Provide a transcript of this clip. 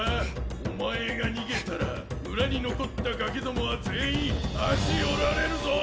お前が逃げたら村に残ったガキどもは全員足折られるぞ！